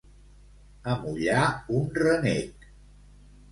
Amollar un renec.